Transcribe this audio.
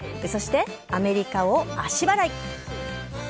そしてアメリカを足払い。